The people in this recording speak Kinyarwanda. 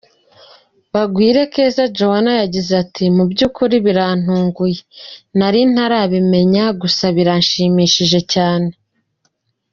Bagwire Keza Joannah yagize ati, “Mu by’ukuri birantunguye, nari ntarabimenye gusa biranshimishije cyane.